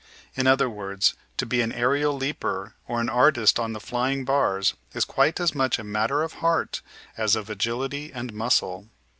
In other words, to be an aërial leaper or an artist on the flying bars is quite as much a matter of heart as of agility and muscle.